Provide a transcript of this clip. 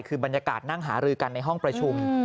คือบรรยากาศนั่งหารือกันในห้องประชุม